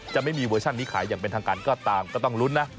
จะไม่มีเวอร์ชันนี้ขายอย่างเป็นทางการก็ตามก็ต้องลุ้นนะ